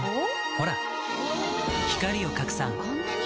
ほら光を拡散こんなに！